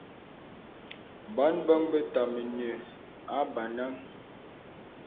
Bōn bǒŋ be təməŋhe àbəŋhə.